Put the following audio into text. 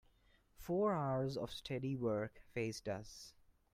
Four hours of steady work faced us.